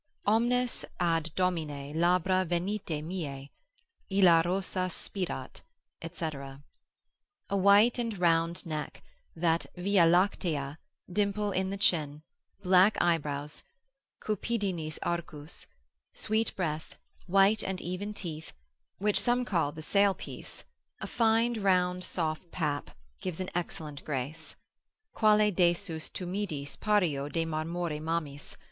Omnes ad dominae labra venite meae, Illa rosas spirat, &c. A white and round neck, that via lactea, dimple in the chin, black eyebrows, Cupidinis arcus, sweet breath, white and even teeth, which some call the salepiece, a fine soft round pap, gives an excellent grace, Quale decus tumidis Pario de marmore mammis!